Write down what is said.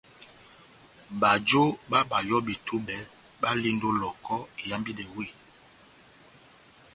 Bajo bá bayɔbi tubɛ balindi ó Lohoko ihambidɛ weh.